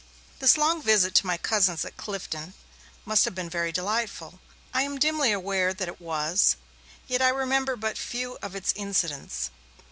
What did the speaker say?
This long visit to my cousins at Clifton must have been very delightful; I am dimly aware that it was yet I remember but few of its incidents.